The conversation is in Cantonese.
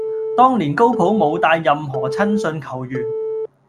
當年高普冇帶任何親信球員